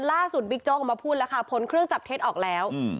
บิ๊กโจ๊กออกมาพูดแล้วค่ะผลเครื่องจับเท็จออกแล้ว